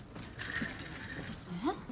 えっ？